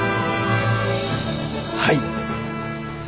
はい。